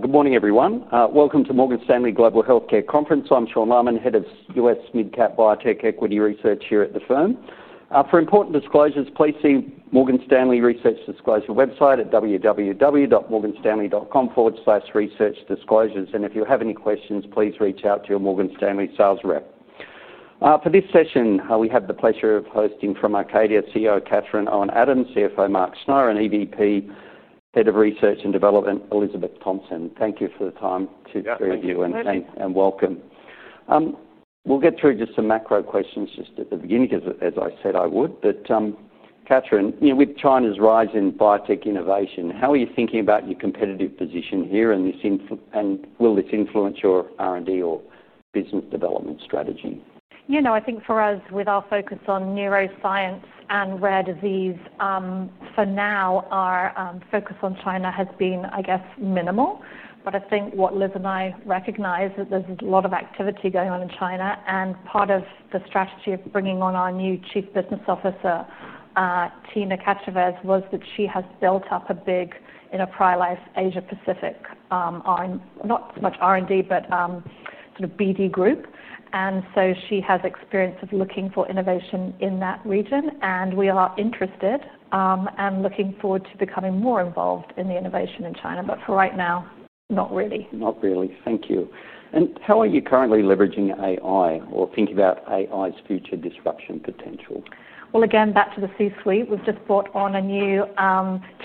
Good morning, everyone. Welcome to the Morgan Stanley Global Healthcare Conference. I'm Sean Lahman, Head of U.S. Mid-Cap Biotech Equity Research here at the firm. For important disclosures, please see the Morgan Stanley Research Disclosure website at www.morganstanley.com/research-disclosures. If you have any questions, please reach out to your Morgan Stanley sales rep. For this session, we have the pleasure of hosting from Acadia Pharmaceuticals CEO Catherine Owen Adams, CFO Mark Schneyer, and EVP, Head of Research and Development Elizabeth Thompson. Thank you for the time to three of you and welcome. We'll get through just some macro questions at the beginning because, as I said, I would. Catherine, with China's rise in biotech innovation, how are you thinking about your competitive position here? Will this influence your R&D or business development strategy? You know, I think for us, with our focus on neuroscience and rare disease, for now, our focus on China has been minimal. I think what Liz and I recognize is that there's a lot of activity going on in China. Part of the strategy of bringing on our new Chief Business Officer, Tina Katcheves, was that she has built up a big enterprise Asia-Pacific, not so much R&D, but sort of BD group. She has experience of looking for innovation in that region. We are interested and looking forward to becoming more involved in the innovation in China. For right now, not really. Not really. Thank you. How are you currently leveraging AI or thinking about AI's future disruption potential? Again, back to the C-suite, we've just brought on a new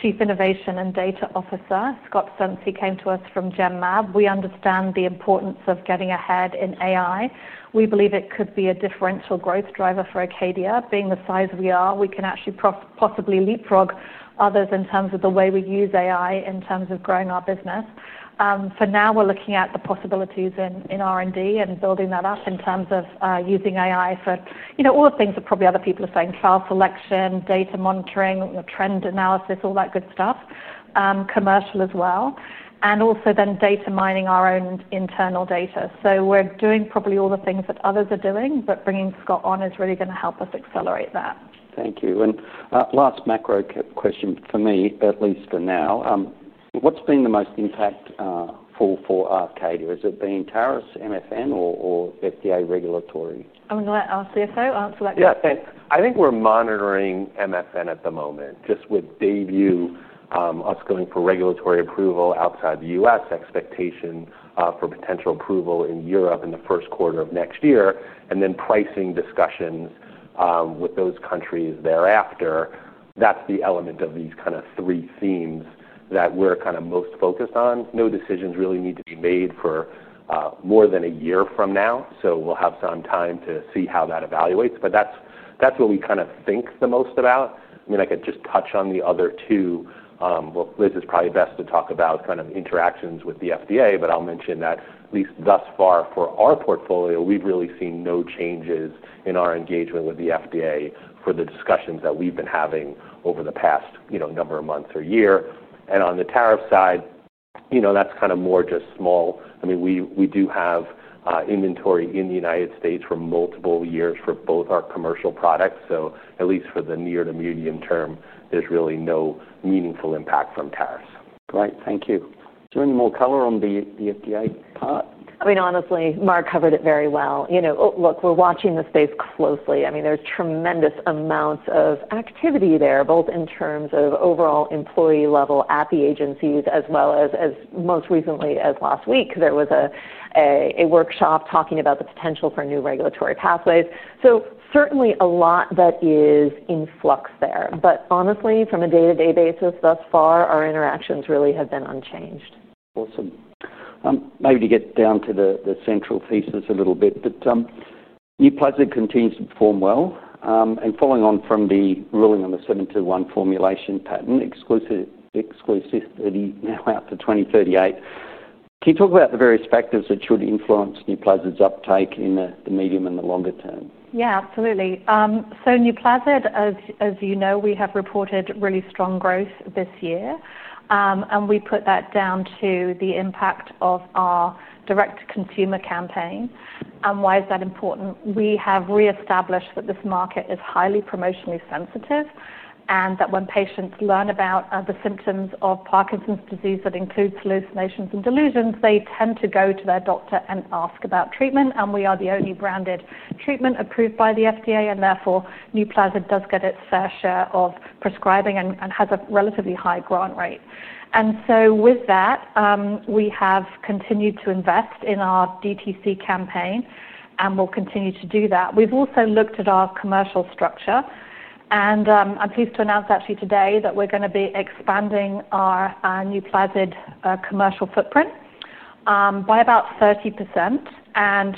Chief Innovation and Data Officer, Scott Cenci. He came to us from Genmab. We understand the importance of getting ahead in AI. We believe it could be a differential growth driver for Acadia Pharmaceuticals. Being the size we are, we can actually possibly leapfrog others in terms of the way we use AI in terms of growing our business. For now, we're looking at the possibilities in R&D and building that up in terms of using AI for, you know, all the things that probably other people are saying: trial selection, data monitoring, trend analysis, all that good stuff, commercial as well. Also, data mining our own internal data. We're doing probably all the things that others are doing, but bringing Scott on is really going to help us accelerate that. Thank you. Last macro question for me, at least for now. What's been the most impact for Acadia Pharmaceuticals? Has it been tariffs, MFN, or FDA regulatory? I'm going to let our CFO answer that question. Yeah, thanks. I think we're monitoring MFN at the moment, just with DAYBUE going for regulatory approval outside the U.S., expectation for potential approval in Europe in the first quarter of next year, and then pricing discussions with those countries thereafter. That's the element of these kind of three themes that we're most focused on. No decisions really need to be made for more than a year from now. We'll have some time to see how that evaluates. That's what we think the most about. I could just touch on the other two. This is probably best to talk about interactions with the FDA, but I'll mention that at least thus far for our portfolio, we've really seen no changes in our engagement with the FDA for the discussions that we've been having over the past number of months or year. On the tariff side, that's kind of more just small. We do have inventory in the United States for multiple years for both our commercial products. At least for the near to medium term, there's really no meaningful impact from tariffs. Great. Thank you. Do you want any more color on the FDA part? Honestly, Mark covered it very well. We're watching the space closely. There's tremendous amounts of activity there, both in terms of overall employee level at the agencies, as well as, as most recently as last week, there was a workshop talking about the potential for new regulatory pathways. Certainly a lot that is in flux there. Honestly, from a day-to-day basis thus far, our interactions really have been unchanged. Awesome. Maybe to get down to the central thesis a little bit, but NUPLAZID continues to perform well. Following on from the ruling on the 721 formulation patent, exclusivity now out to 2038. Can you talk about the various factors that should influence NUPLAZID's uptake in the medium and the longer term? Yeah, absolutely. So NUPLAZID, as you know, we have reported really strong growth this year, and we put that down to the impact of our direct-to-consumer campaign. Why is that important? We have reestablished that this market is highly promotionally sensitive, and that when patients learn about the symptoms of Parkinson's disease that includes hallucinations and delusions, they tend to go to their doctor and ask about treatment. We are the only branded treatment approved by the FDA, and therefore, NUPLAZID does get its fair share of prescribing and has a relatively high grant rate. With that, we have continued to invest in our DTC campaign and will continue to do that. We've also looked at our commercial structure, and I'm pleased to announce actually today that we're going to be expanding our NUPLAZID commercial footprint by about 30%.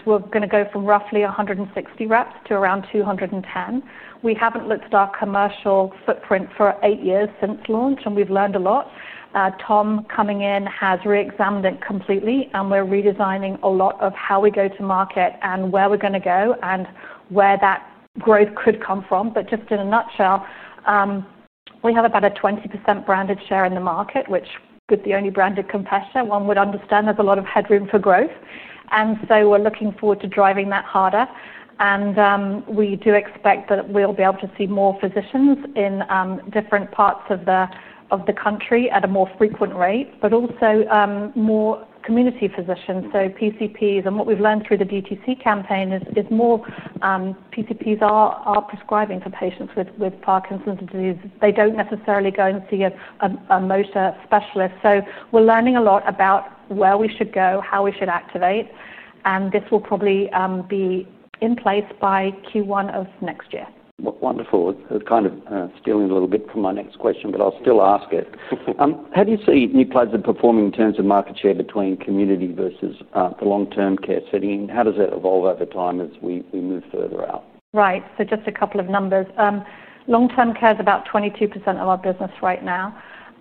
We're going to go from roughly 160 reps to around 210. We haven't looked at our commercial footprint for eight years since launch, and we've learned a lot. Tom coming in has re-examined it completely, and we're redesigning a lot of how we go to market and where we're going to go and where that growth could come from. Just in a nutshell, we have about a 20% branded share in the market, which could be the only branded competitor one would understand. There's a lot of headroom for growth, and we're looking forward to driving that harder. We do expect that we'll be able to see more physicians in different parts of the country at a more frequent rate, but also more community physicians. So PCPs, and what we've learned through the DTC campaign is more PCPs are prescribing for patients with Parkinson's disease. They don't necessarily go and see a motor specialist. We're learning a lot about where we should go, how we should activate, and this will probably be in place by Q1 of next year. Wonderful. It's kind of stealing a little bit from my next question, but I'll still ask it. How do you see NUPLAZID performing in terms of market share between community versus the long-term care setting? How does it evolve over time as we move further out? Right. Just a couple of numbers. Long-term care is about 22% of our business right now,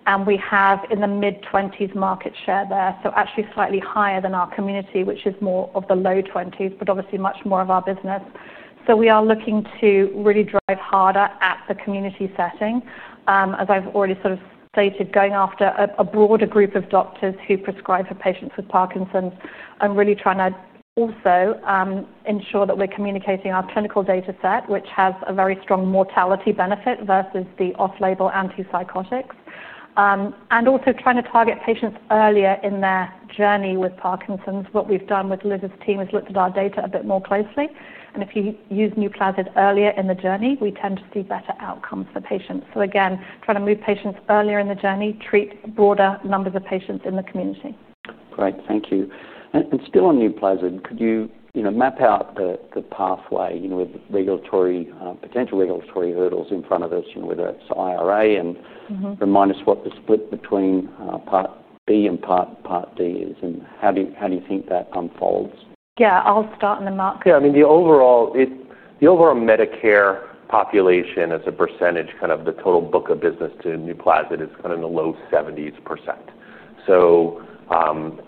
and we have in the mid-20s market share there, actually slightly higher than our community, which is more of the low 20s, but obviously much more of our business. We are looking to really drive harder at the community setting. As I've already sort of stated, going after a broader group of doctors who prescribe for patients with Parkinson and really trying to also ensure that we're communicating our clinical data set, which has a very strong mortality benefit versus the off-label antipsychotics. Also trying to target patients earlier in their journey with Parkinson's. What we've done with Liz's team is looked at our data a bit more closely, and if you use NUPLAZID earlier in the journey, we tend to see better outcomes for patients. Again, trying to move patients earlier in the journey, treat broader numbers of patients in the community. Great. Thank you. Still on NUPLAZID, could you map out the pathway, you know, with potential regulatory hurdles in front of us, whether it's IRA, and remind us what the split between Part B and Part D is and how do you think that unfolds? Yeah, I'll start and then Mark. Yeah, I mean, the overall Medicare population as a %, kind of the total book of business to NUPLAZID is kind of in the low 70% range.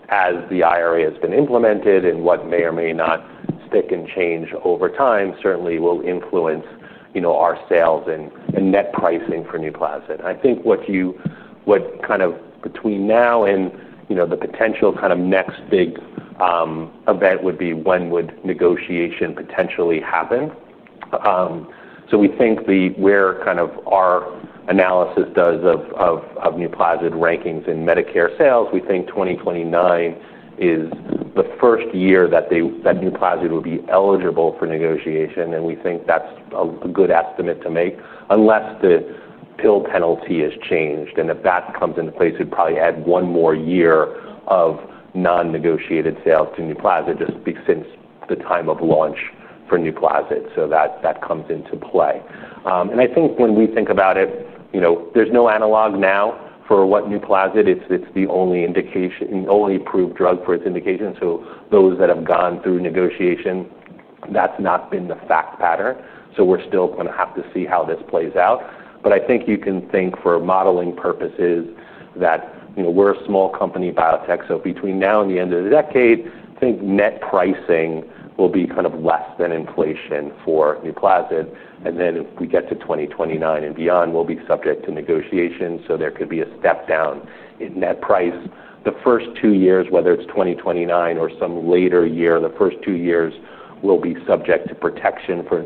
As the IRA has been implemented and what may or may not stick and change over time, it certainly will influence, you know, our sales and net pricing for NUPLAZID. I think what you would, kind of between now and, you know, the potential kind of next big event would be when would negotiation potentially happen. We think where kind of our analysis does of NUPLAZID's rankings in Medicare sales, we think 2029 is the first year that NUPLAZID would be eligible for negotiation. We think that's a good estimate to make unless the pill penalty has changed. If that comes into place, we'd probably add one more year of non-negotiated sales to NUPLAZID just because since the time of launch for NUPLAZID. That comes into play. I think when we think about it, you know, there's no analog now for what NUPLAZID is. It's the only approved drug for its indication. Those that have gone through negotiation, that's not been the fact pattern. We're still going to have to see how this plays out. I think you can think for modeling purposes that, you know, we're a small company biotech. Between now and the end of the decade, I think net pricing will be kind of less than inflation for NUPLAZID. If we get to 2029 and beyond, we'll be subject to negotiation. There could be a step down in net price. The first two years, whether it's 2029 or some later year, the first two years will be subject to protection for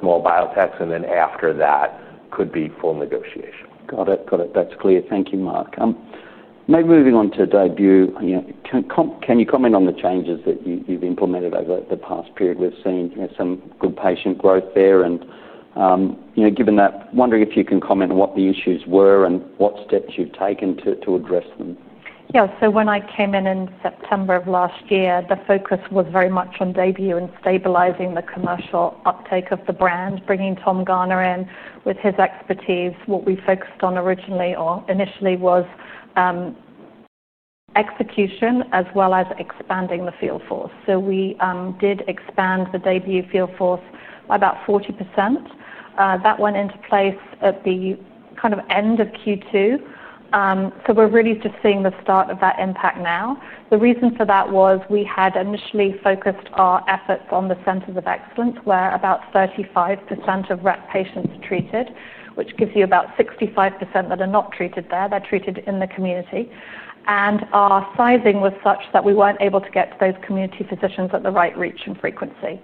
small biotechs. After that could be full negotiation. Got it. That's clear. Thank you, Mark. Maybe moving on to DAYBUE. Can you comment on the changes that you've implemented over the past period? We've seen some good patient growth there. Given that, wondering if you can comment on what the issues were and what steps you've taken to address them. Yeah, so when I came in in September of last year, the focus was very much on DAYBUE and stabilizing the commercial uptake of the brand, bringing Thomas Garner in with his expertise. What we focused on originally or initially was execution as well as expanding the field force. We did expand the DAYBUE field force by about 40%. That went into place at the end of Q2. We're really just seeing the start of that impact now. The reason for that was we had initially focused our efforts on the centers of excellence where about 35% of Rett patients are treated, which gives you about 65% that are not treated there. They're treated in the community, and our sizing was such that we weren't able to get to those community physicians at the right reach and frequency.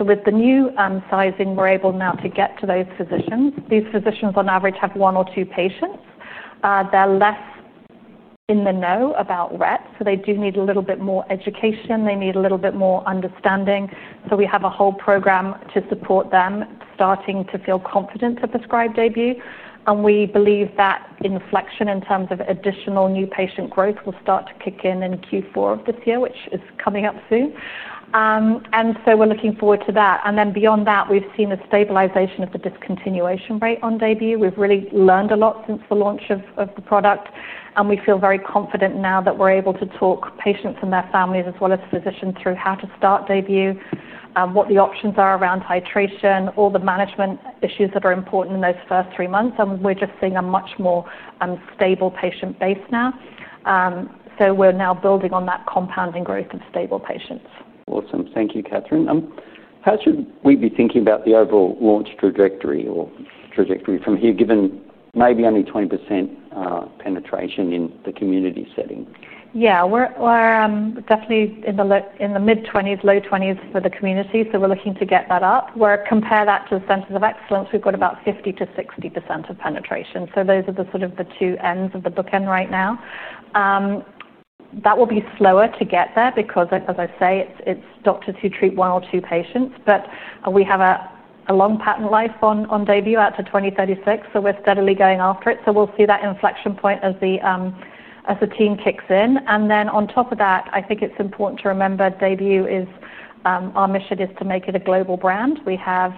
With the new sizing, we're able now to get to those physicians. These physicians on average have one or two patients. They're less in the know about Rett. They do need a little bit more education. They need a little bit more understanding. We have a whole program to support them starting to feel confident to prescribe DAYBUE. We believe that inflection in terms of additional new patient growth will start to kick in in Q4 of this year, which is coming up soon. We're looking forward to that. Beyond that, we've seen a stabilization of the discontinuation rate on DAYBUE. We've really learned a lot since the launch of the product, and we feel very confident now that we're able to talk patients and their families as well as physicians through how to start DAYBUE, what the options are around titration, all the management issues that are important in those first three months. We're just seeing a much more stable patient base now, so we're now building on that compounding growth of stable patients. Awesome. Thank you, Catherine. How should we be thinking about the overall launch trajectory or trajectory from here, given maybe only 20% penetration in the community setting? Yeah, we're definitely in the mid 20s, low 20s for the community. We're looking to get that up. Where you compare that to the centers of excellence, we've got about 50%-60% of penetration. Those are the two ends of the bookend right now. That will be slower to get there because, as I say, it's doctors who treat one or two patients. We have a long patent life on DAYBUE out to 2036. We're steadily going after it. We'll see that inflection point as the team kicks in. I think it's important to remember DAYBUE is our mission to make it a global brand. We have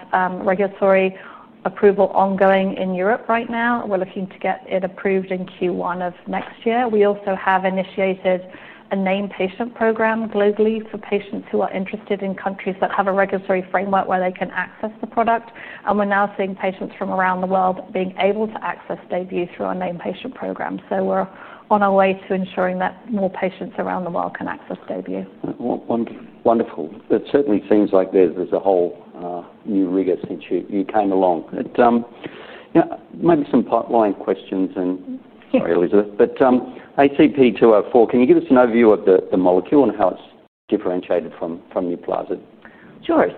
regulatory approval ongoing in Europe right now. We're looking to get it approved in Q1 of next year. We also have initiated a named patient program globally for patients who are interested in countries that have a regulatory framework where they can access the product. We're now seeing patients from around the world being able to access DAYBUE through our named patient program. We're on our way to ensuring that more patients around the world can access DAYBUE. Wonderful. It certainly seems like there's a whole new rigor since you came along. Maybe some pipeline questions, and sorry, Elizabeth. ACP-204, can you give us an overview of the molecule and how it's differentiated from NUPLAZID? Sure.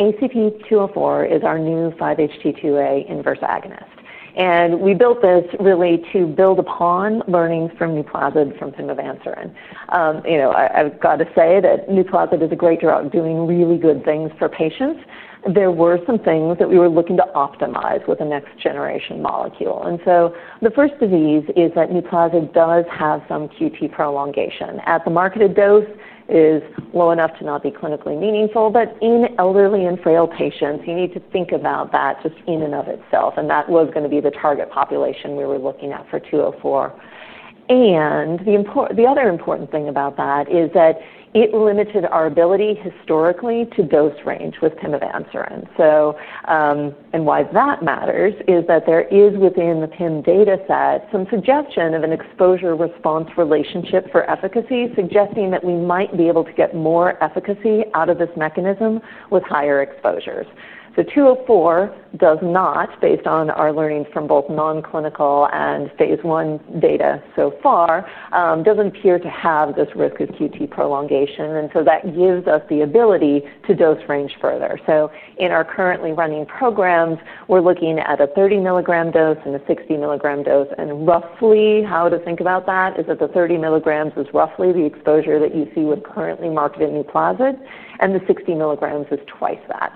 ACP-204 is our new 5-HT2A inverse agonist. We built this really to build upon learnings from NUPLAZID and from pimavanserin. I've got to say that NUPLAZID did a great job of doing really good things for patients. There were some things that we were looking to optimize with the next generation molecule. The first issue is that NUPLAZID does have some QT prolongation. At the marketed dose, it is low enough to not be clinically meaningful, but in elderly and frail patients, you need to think about that just in and of itself. That was going to be the target population we were looking at for 204. The other important thing about that is that it limited our ability historically to dose range with pimavanserin. Why that matters is that there is within the PIM data set some suggestion of an exposure-response relationship for efficacy, suggesting that we might be able to get more efficacy out of this mechanism with higher exposures. ACP-204 does not, based on our learnings from both non-clinical and phase 1 data so far, appear to have this risk of QT prolongation. That gives us the ability to dose range further. In our currently running programs, we're looking at a 30 mg dose and a 60 mg dose. Roughly how to think about that is that the 30 mg is roughly the exposure that you see with currently marketed NUPLAZID, and the 60 mg is twice that.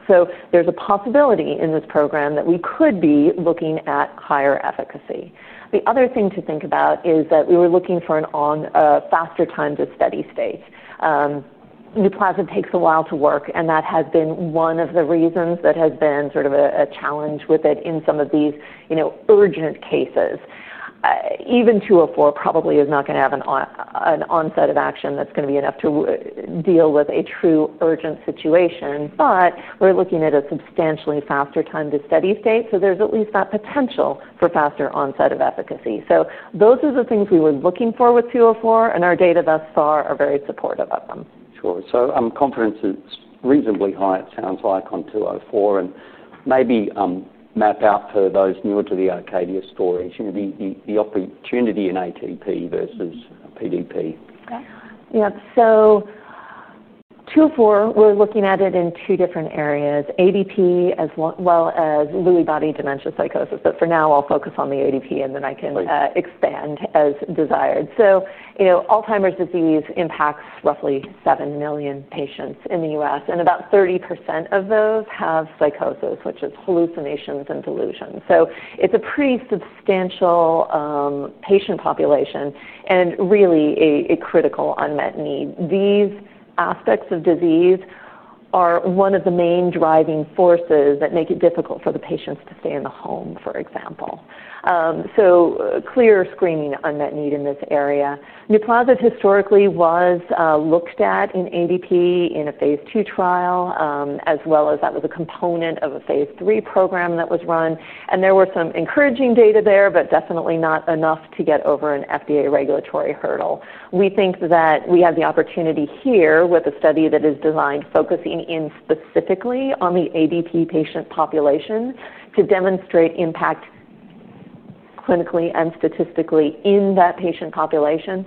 There's a possibility in this program that we could be looking at higher efficacy. The other thing to think about is that we were looking for a faster time to steady state. NUPLAZID takes a while to work, and that has been one of the reasons that has been sort of a challenge with it in some of these urgent cases. Even 204 probably is not going to have an onset of action that's going to be enough to deal with a true urgent situation, but we're looking at a substantially faster time to steady state. There's at least that potential for faster onset of efficacy. Those are the things we were looking for with 204, and our data thus far are very supportive of them. I'm confident it's reasonably high, it sounds like, on 204. Maybe map out for those newer to the Acadia stories, you know, the opportunity in ADP versus PDP. Yeah. Yeah. So 204, we're looking at it in two different areas: ADP as well as Lewy body dementia psychosis. For now, I'll focus on the ADP and then I can expand as desired. Alzheimer's disease impacts roughly 7 million patients in the U.S., and about 30% of those have psychosis, which is hallucinations and delusions. It's a pretty substantial patient population and really a critical unmet need. These aspects of disease are one of the main driving forces that make it difficult for the patients to stay in the home, for example. Clear screening unmet need in this area. NUPLAZID historically was looked at in ADP in a phase 2 trial, as well as that was a component of a phase 3 program that was run. There were some encouraging data there, but definitely not enough to get over an FDA regulatory hurdle. We think that we have the opportunity here with a study that is designed focusing in specifically on the ADP patient population to demonstrate impact clinically and statistically in that patient population.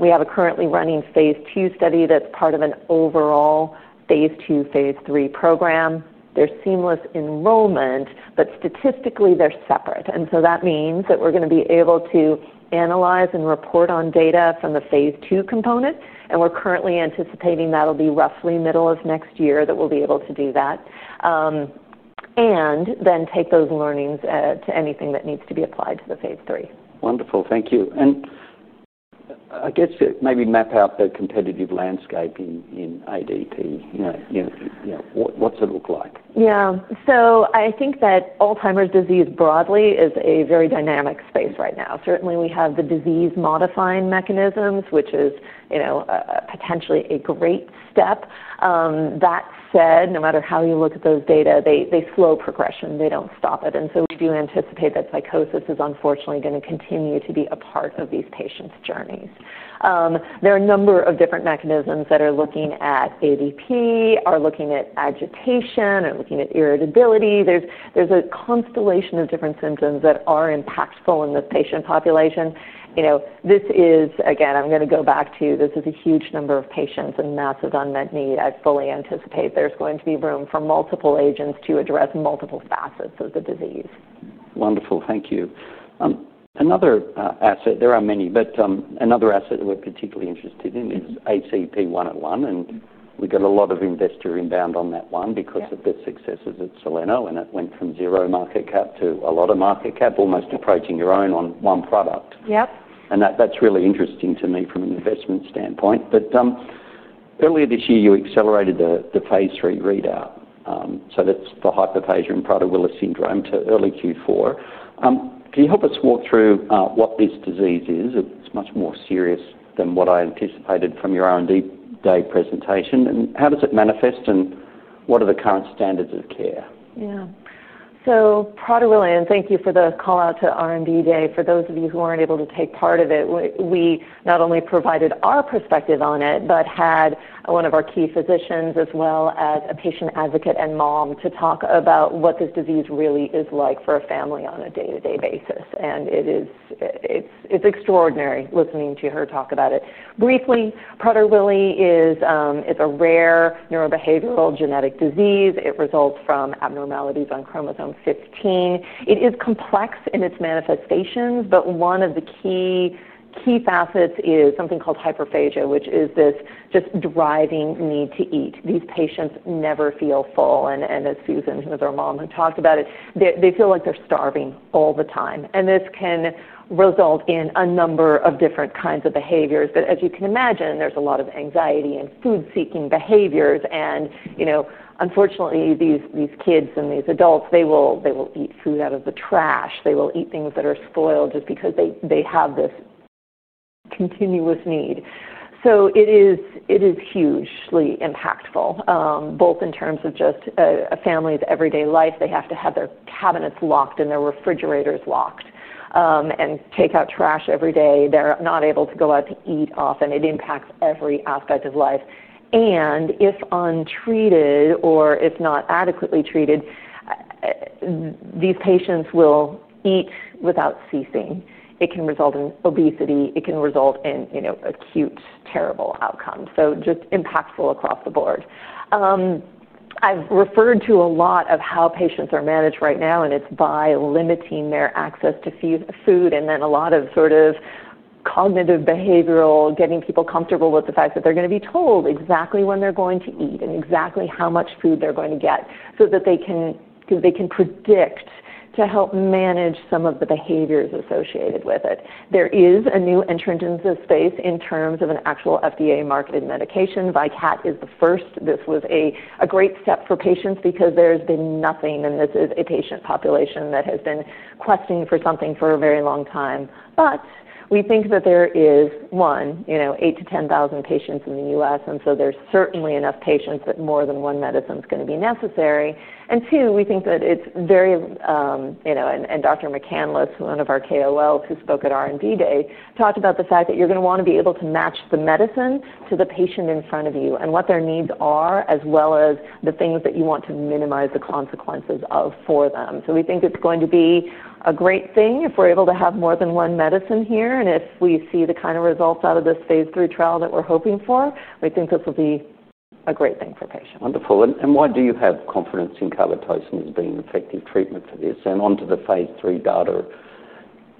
We have a currently running phase 2 study that's part of an overall phase 2, phase 3 program. They're seamless enrollment, but statistically, they're separate. That means that we're going to be able to analyze and report on data from the phase 2 component. We're currently anticipating that'll be roughly middle of next year that we'll be able to do that, and then take those learnings to anything that needs to be applied to the phase 3. Wonderful. Thank you. I guess maybe map out the competitive landscape in ADP. Yeah, what's it look like? I think that Alzheimer's disease broadly is a very dynamic space right now. Certainly, we have the disease-modifying mechanisms, which is, you know, potentially a great step. That said, no matter how you look at those data, they slow progression. They don't stop it. We do anticipate that psychosis is unfortunately going to continue to be a part of these patients' journeys. There are a number of different mechanisms that are looking at ADP, are looking at agitation, are looking at irritability. There's a constellation of different symptoms that are impactful in this patient population. This is, again, I'm going to go back to this is a huge number of patients and massive unmet need. I fully anticipate there's going to be room for multiple agents to address multiple facets of the disease. Wonderful. Thank you. Another asset, there are many, but another asset that we're particularly interested in is ACP-101. We got a lot of investor inbound on that one because of the successes at Soleno. It went from zero market cap to a lot of market cap, almost approaching your own on one product. Yep. That's really interesting to me from an investment standpoint. Earlier this year, you accelerated the phase 3 readout, so that's the hyperphagia in Prader-Willi syndrome, to early Q4. Can you help us walk through what this disease is? It's much more serious than what I anticipated from your R&D day presentation. How does it manifest and what are the current standards of care? Yeah. So Prader-Willi, and thank you for the call out to R&D day. For those of you who aren't able to take part of it, we not only provided our perspective on it, but had one of our key physicians as well as a patient advocate and mom to talk about what this disease really is like for a family on a day-to-day basis. It is, it's extraordinary listening to her talk about it. Briefly, Prader-Willi is a rare neurobehavioral genetic disease. It results from abnormalities on chromosome 15. It is complex in its manifestations, but one of the key facets is something called hyperphagia, which is this just driving need to eat. These patients never feel full. As Susan, who is our mom, had talked about it, they feel like they're starving all the time. This can result in a number of different kinds of behaviors. As you can imagine, there's a lot of anxiety and food-seeking behaviors. Unfortunately, these kids and these adults, they will eat food out of the trash. They will eat things that are spoiled just because they have this continuous need. It is hugely impactful, both in terms of just a family's everyday life. They have to have their cabinets locked and their refrigerators locked, and take out trash every day. They're not able to go out to eat often. It impacts every aspect of life. If untreated or if not adequately treated, these patients will eat without ceasing. It can result in obesity. It can result in, you know, acute, terrible outcomes. Just impactful across the board. I've referred to a lot of how patients are managed right now, and it's by limiting their access to food. Then a lot of sort of cognitive behavioral, getting people comfortable with the fact that they're going to be told exactly when they're going to eat and exactly how much food they're going to get so that they can because they can predict to help manage some of the behaviors associated with it. There is a new entrant in this space in terms of an actual FDA marketed medication. VYKAT XR is the first. This was a great step for patients because there's been nothing, and this is a patient population that has been questing for something for a very long time. We think that there is one, you know, 8,000 to 10,000 patients in the U.S. There are certainly enough patients that more than one medicine is going to be necessary. We think that it's very, you know, and Dr. McAnlis, one of our KOLs who spoke at R&D day, talked about the fact that you're going to want to be able to match the medicine to the patient in front of you and what their needs are, as well as the things that you want to minimize the consequences of for them. We think it's going to be a great thing if we're able to have more than one medicine here. If we see the kind of results out of this phase 3 trial that we're hoping for, I think this will be a great thing for patients. Wonderful. Why do you have confidence in carboplatin being an effective treatment for this? Onto the phase 3 data,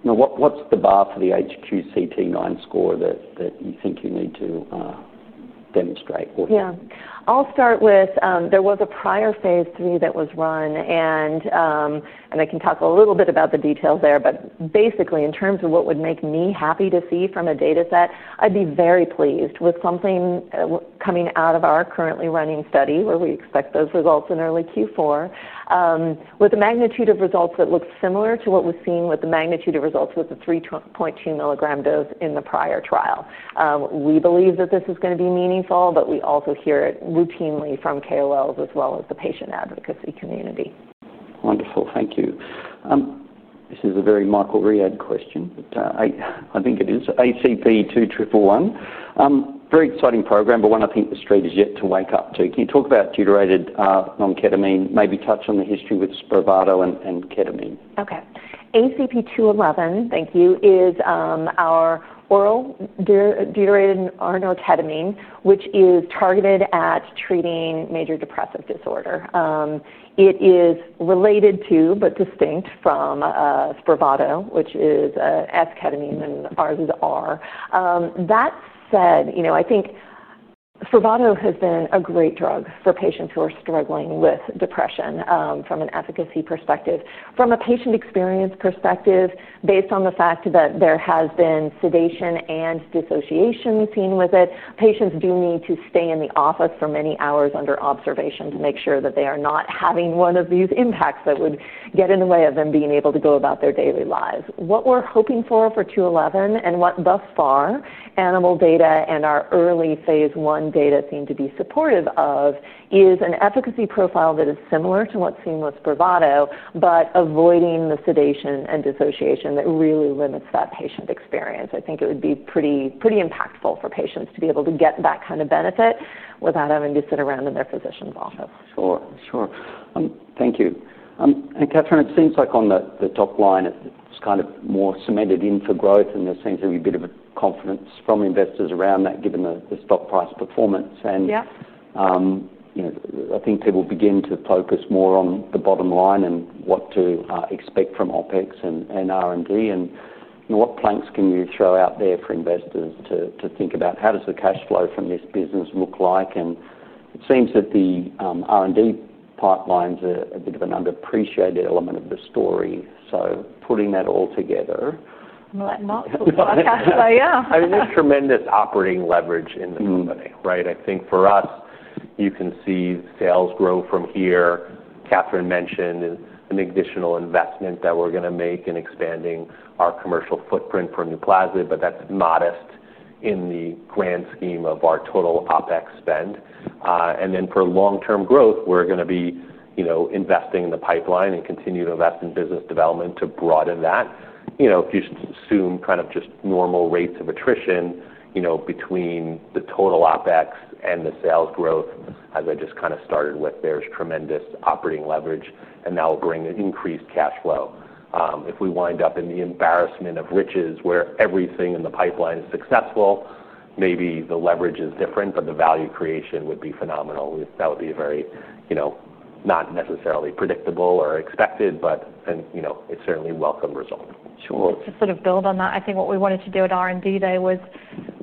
what's the bar for the HQCT-9 score that you think you need to demonstrate? I'll start with there was a prior phase 3 that was run. I can talk a little bit about the details there. Basically, in terms of what would make me happy to see from a data set, I'd be very pleased with something coming out of our currently running study where we expect those results in early Q4, with the magnitude of results that look similar to what was seen with the magnitude of results with the 3.2 mg dose in the prior trial. We believe that this is going to be meaningful. We also hear it routinely from KOLs as well as the patient advocacy community. Wonderful. Thank you. This is a very [Marco Ried] question, but I think it is. ACP-211. Very exciting program, but one I think the street is yet to wake up to. Can you talk about deuterated non-ketamine, maybe touch on the history with Spravato and ketamine? Okay. ACP-211, thank you, is our oral deuterated R-Norketamine, which is targeted at treating major depressive disorder. It is related to, but distinct from Spravato, which is S-ketamine and ours is R. That said, I think Spravato has been a great drug for patients who are struggling with depression from an efficacy perspective. From a patient experience perspective, based on the fact that there has been sedation and dissociation seen with it, patients do need to stay in the office for many hours under observation to make sure that they are not having one of these impacts that would get in the way of them being able to go about their daily lives. What we're hoping for for 211 and what thus far animal data and our early phase 1 data seem to be supportive of is an efficacy profile that is similar to what's seen with Spravato, but avoiding the sedation and dissociation that really limits that patient experience. I think it would be pretty impactful for patients to be able to get that kind of benefit without having to sit around in their physician's office. Thank you. Catherine, it seems like on the top line it's kind of more cemented in for growth, and there seems to be a bit of a confidence from investors around that given the stock price performance. I think people begin to focus more on the bottom line and what to expect from OPEX and R&D, and what planks can you throw out there for investors to think about how does the cash flow from this business look like? It seems that the R&D pipelines are a bit of an underappreciated element of the story. Putting that all together. Not so far, cash flow, yeah. I mean, there's tremendous operating leverage in the company, right? I think for us, you can see sales grow from here. Catherine mentioned an additional investment that we're going to make in expanding our commercial footprint for NUPLAZID, but that's modest in the grand scheme of our total OPEX spend. For long-term growth, we're going to be investing in the pipeline and continue to invest in business development to broaden that. If you assume kind of just normal rates of attrition, between the total OPEX and the sales growth, as I just kind of started with, there's tremendous operating leverage and that will bring increased cash flow. If we wind up in the embarrassment of riches where everything in the pipeline is successful, maybe the leverage is different, but the value creation would be phenomenal. That would be a very, not necessarily predictable or expected, but it's certainly a welcome result. Sure. To sort of build on that, I think what we wanted to do at R&D Day was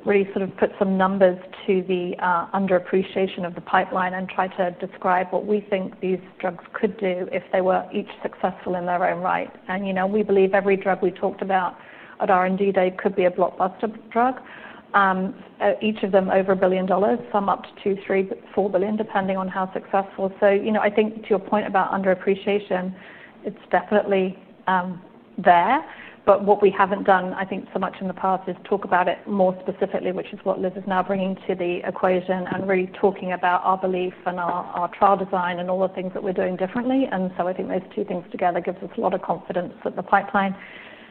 really sort of put some numbers to the underappreciation of the pipeline and try to describe what we think these drugs could do if they were each successful in their own right. We believe every drug we talked about at R&D Day could be a blockbuster drug, each of them over $1 billion, some up to $2 billion, $3 billion, $4 billion, depending on how successful. I think to your point about underappreciation, it's definitely there. What we haven't done, I think, so much in the past is talk about it more specifically, which is what Liz is now bringing to the equation and really talking about our belief and our trial design and all the things that we're doing differently. I think those two things together give us a lot of confidence at the pipeline.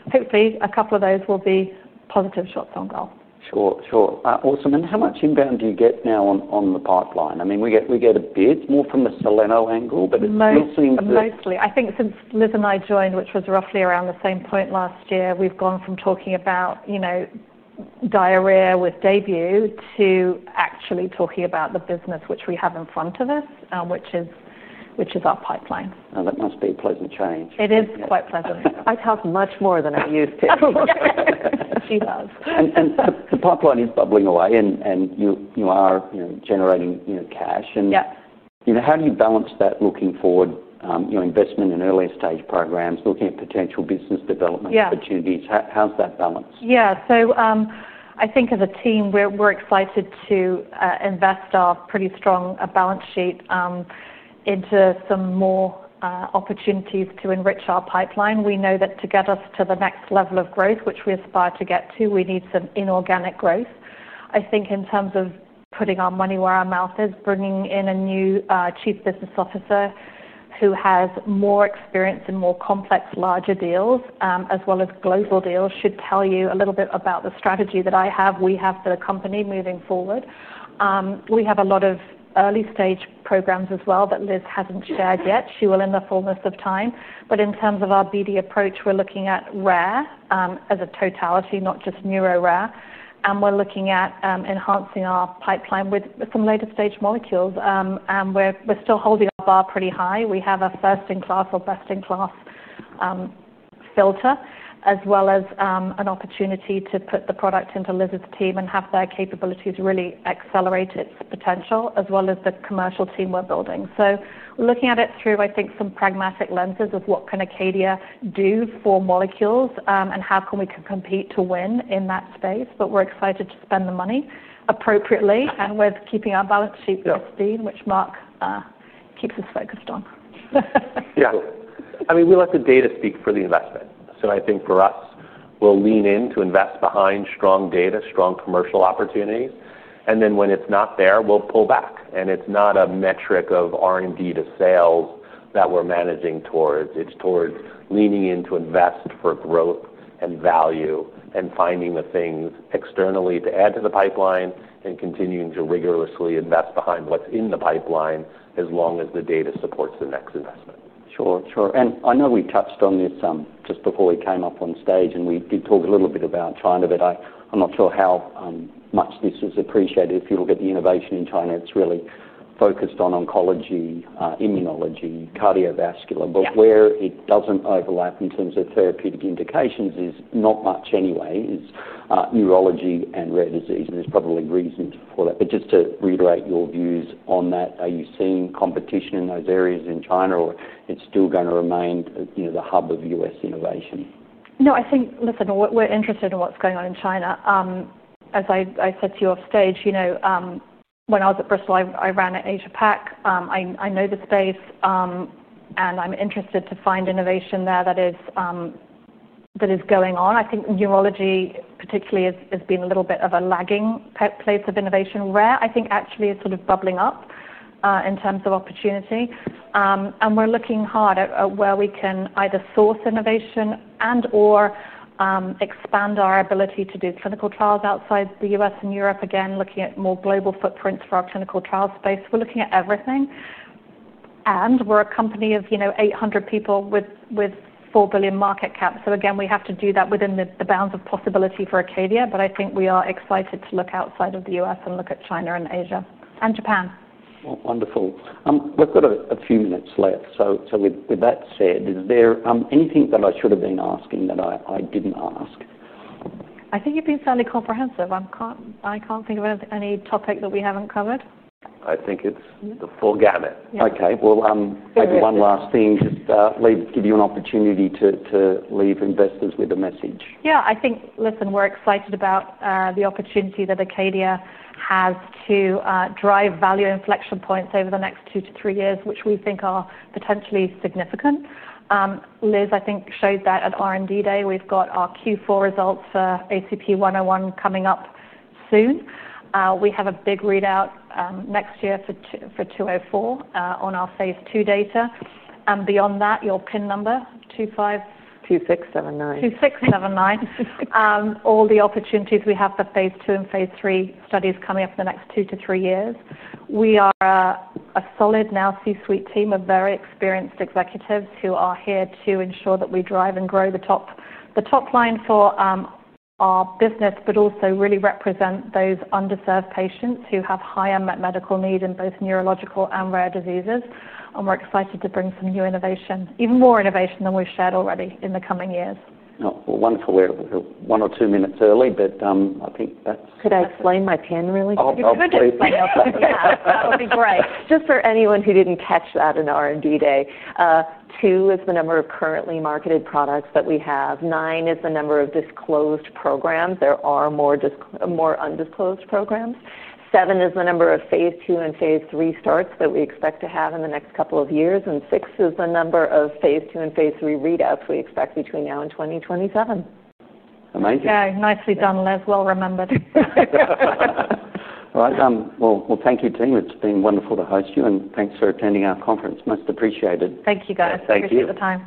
Hopefully, a couple of those will be positive shots on goal. Sure. Awesome. How much inbound do you get now on the pipeline? I mean, we get a bit more from the Soleno angle, but it's missing the. Mostly, I think since Liz and I joined, which was roughly around the same point last year, we've gone from talking about, you know, diarrhea with DAYBUE to actually talking about the business which we have in front of us, which is our pipeline. Oh, that must be a pleasant change. It is quite pleasant. I tell us much more than I used to. Oh, okay. She does. The pipeline is bubbling away and you are generating cash. How do you balance that looking forward, investment in earlier stage programs, looking at potential business development opportunities? How's that balance? Yeah. I think as a team, we're excited to invest our pretty strong balance sheet into some more opportunities to enrich our pipeline. We know that to get us to the next level of growth, which we aspire to get to, we need some inorganic growth. In terms of putting our money where our mouth is, bringing in a new Chief Business Officer who has more experience in more complex, larger deals as well as global deals should tell you a little bit about the strategy that I have, we have for the company moving forward. We have a lot of early stage programs as well that Liz hasn't shared yet. She will in the fullness of time. In terms of our BD approach, we're looking at Rare as a totality, not just NeuroRare. We're looking at enhancing our pipeline with some later stage molecules, and we're still holding our bar pretty high. We have a first-in-class or best-in-class filter as well as an opportunity to put the product into Liz's team and have their capabilities really accelerate its potential as well as the commercial team we're building. We're looking at it through, I think, some pragmatic lenses of what can Acadia Pharmaceuticals do for molecules and how can we compete to win in that space. We're excited to spend the money appropriately and with keeping our balance sheet pristine, which Mark keeps us focused on. Yeah. I mean, we let the data speak for the investment. I think for us, we'll lean in to invest behind strong data, strong commercial opportunity. When it's not there, we'll pull back. It's not a metric of R&D to sales that we're managing towards. It's towards leaning in to invest for growth and value and finding the things externally to add to the pipeline and continuing to rigorously invest behind what's in the pipeline as long as the data supports the next investment. Sure. I know we touched on this just before we came up on stage and we did talk a little bit about China a bit. I'm not sure how much this is appreciated. If you look at the innovation in China, it's really focused on oncology, immunology, cardiovascular. Where it doesn't overlap in terms of therapeutic indications, not much anyway, is neurology and rare disease. There's probably reasons for that. Just to reiterate your views on that, are you seeing competition in those areas in China or is it still going to remain, you know, the hub of U.S. innovation? No, I think, listen, we're interested in what's going on in China. As I said to you off stage, you know, when I was at Bristol, I ran Asia-Pacific. I know the space and I'm interested to find innovation there that is going on. I think neurology particularly has been a little bit of a lagging place of innovation. Rare, I think, actually is sort of bubbling up in terms of opportunity. We're looking hard at where we can either source innovation and/or expand our ability to do clinical trials outside the U.S. and Europe. Again, looking at more global footprints for our clinical trial space. We're looking at everything. We're a company of, you know, 800 people with $4 billion market cap. We have to do that within the bounds of possibility for Acadia Pharmaceuticals. I think we are excited to look outside of the U.S. and look at China and Asia and Japan. Wonderful. We've got a few minutes left. With that said, is there anything that I should have been asking that I didn't ask? I think you've been fairly comprehensive. I can't think of any topic that we haven't covered. I think it's the full gamut. Maybe one last thing, just give you an opportunity to leave investors with a message. Yeah, I think, listen, we're excited about the opportunity that Acadia Pharmaceuticals has to drive value inflection points over the next two to three years, which we think are potentially significant. Liz, I think, showed that at R&D day, we've got our Q4 results for ACP-101 coming up soon. We have a big readout next year for ACP-204 on our phase 2 data. Beyond that, your PIN number, 25. 2679. All the opportunities we have for phase 2 and phase 3 studies coming up in the next two to three years. We are a solid now C-suite team of very experienced executives who are here to ensure that we drive and grow the top line for our business, but also really represent those underserved patients who have higher medical need in both neurological and rare diseases. We're excited to bring some new innovation, even more innovation than we've shared already in the coming years. Wonderful. We're one or two minutes early, but I think that's fine. Could I explain my PIN really quickly? Oh, you could explain yourself. Yeah, that would be great. Just for anyone who didn't catch that in R&D day, two is the number of currently marketed products that we have. Nine is the number of disclosed programs. There are more undisclosed programs. Seven is the number of phase 2 and phase 3 starts that we expect to have in the next couple of years, and six is the number of phase 2 and phase 3 readouts we expect between now and 2027. Amazing. Yeah, nicely done, Liz. Well remembered. Thank you, team. It's been wonderful to host you, and thanks for attending our conference. Much appreciate it. Thank you, guys. I appreciate the time.